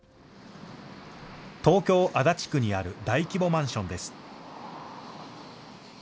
東京・足立区にある大規模マンションです。